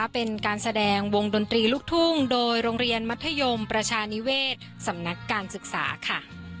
เป็นการแสดงวงดนตรีลูกทุ่งโดยโรงเรียนมัธยมประชานิเวศสำนักการศึกษาค่ะ